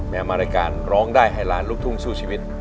มารายการร้องได้ให้ล้านลูกทุ่งสู้ชีวิต